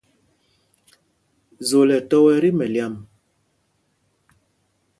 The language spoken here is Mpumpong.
Zol ɛ tɔ́ wɛ tí mɛlyam ?